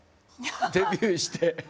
デビューして。